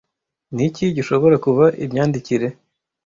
Niki gishobora kuba imyandikire,